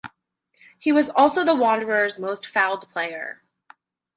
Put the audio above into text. He was also the Wanderers most fouled player.